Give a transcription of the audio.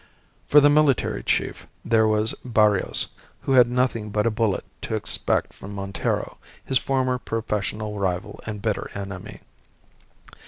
For the military chief there was Barrios, who had nothing but a bullet to expect from Montero, his former professional rival and bitter enemy.